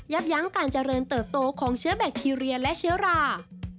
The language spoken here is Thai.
ยั้งการเจริญเติบโตของเชื้อแบคทีเรียและเชื้อรา